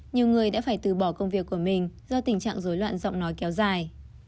nhiều người đã phải từ bỏ công việc của mình do tình trạng dối loạn giọng nói kéo dài